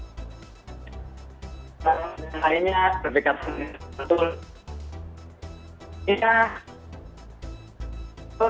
kita selainnya berbegatan dengan betul